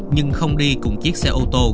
nhưng không đi cùng chiếc xe ô tô